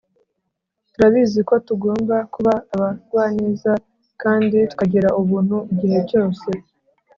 Turabizi ko tugomba kuba abagwaneza kandi tukagira ubuntu igihe cyose